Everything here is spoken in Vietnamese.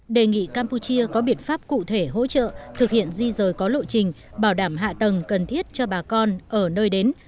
đề nghị campuchia có biện pháp cụ thể hỗ trợ thực hiện di rời có lộ trình bảo đảm hạ tầng cần thiết cho bà con ở nơi đến